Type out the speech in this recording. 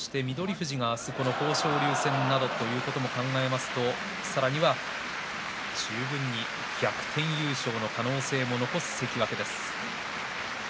富士が明日、豊昇龍戦ということも考えますとさらには十分に逆転優勝の可能性も残す関脇です。